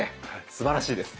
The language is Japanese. すばらしいです。